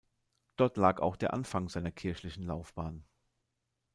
Dort lag auch der Anfang seiner kirchlichen Laufbahn.